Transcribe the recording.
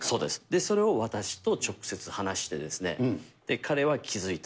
で、それを私と直接、話してですね、彼は気付いた。